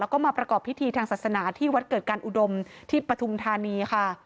แล้วก็มาประกอบพิธีทางศาสนาที่วัดเกิดการอุดมที่ปฐุมธานีค่ะ